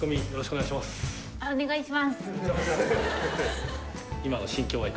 お願いしますし